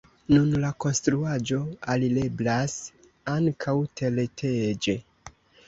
Nun la konstruaĵo alireblas ankaŭ tereteĝe.